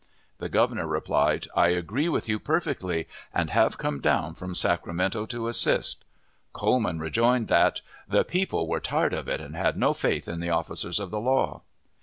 The Governor replied, "I agree with you perfectly, and have come down, from Sacramento to assist." Coleman rejoined that "the people were tired of it, and had no faith in the officers of the law."